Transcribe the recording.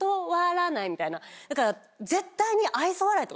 だから絶対に。